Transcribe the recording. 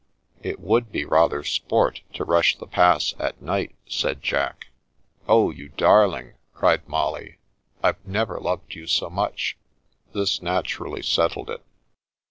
" It would be rather sport to rush the Pass at night," said Jack. "Oh, you darling!" cried Molly, "I've never loved you so much." This naturally settled it.